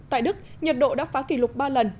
tại đức nhiệt độ đã phá kỷ lục ba lần